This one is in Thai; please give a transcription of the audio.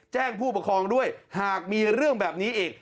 ผู้ปกครองด้วยหากมีเรื่องแบบนี้อีก